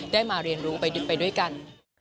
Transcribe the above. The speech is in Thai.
ได้มาเรียนรู้ไปด้วยกัน